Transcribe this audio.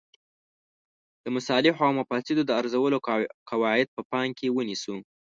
د مصالحو او مفاسدو د ارزولو قواعد په پام کې ونیسو.